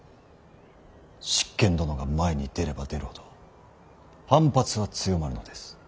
執権殿が前に出れば出るほど反発は強まるのです。